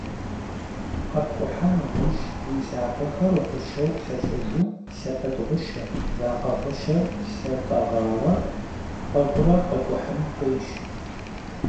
КъэпкӀухьа нэужь, уи лъакъуэхэр гъущэу плъэщӀыжу, лъэпэд гъущэ, вакъэ гъущэ лъытӀэгъауэ тӀэкӀурэ къэкӀухьын хуейщ.